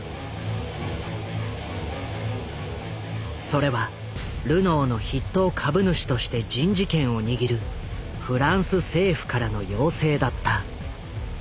それはルノーの筆頭株主として人事権を握るフランス政府からの要請だった。